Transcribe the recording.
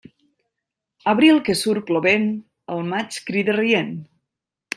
Abril que surt plovent, el maig crida rient.